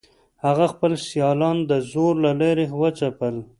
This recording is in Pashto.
هغه خپل سیالان د زور له لارې وځپل.